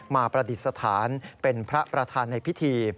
ประดิษฐานเป็นพระประธานในพิธี